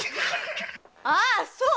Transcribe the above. ああそう！